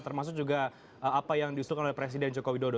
termasuk juga apa yang diusulkan oleh presiden joko widodo